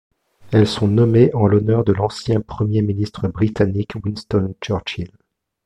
Elles sont nommées en l'honneur de l'ancien Premier ministre britannique Winston Churchill.